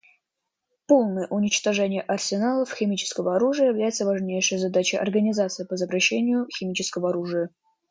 Полное уничтожение арсеналов химического оружия является важнейшей задачей Организации по запрещению химического оружия.